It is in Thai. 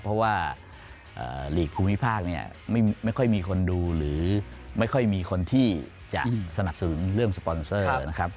เพราะว่าหลีกภูมิภาคเนี่ยไม่ค่อยมีคนดูหรือไม่ค่อยมีคนที่จะสนับสนุนเรื่องสปอนเซอร์นะครับ